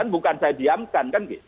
bukan saya diamkan